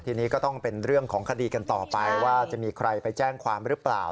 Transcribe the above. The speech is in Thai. ทีนี้ก็ต้องเป็นเรื่องของคดีกันต่อไปว่าจะมีใครไปแจ้งความหรือเปล่า